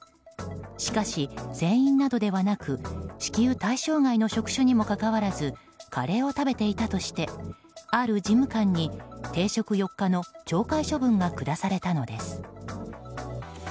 しかし船員などではなく支給対象外の職種にもかかわらずカレーを食べていたとしてある事務官に停職４日の懲戒処分が下されたのです。